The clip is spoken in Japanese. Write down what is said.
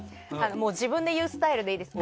自分で言うスタイルでいいですか？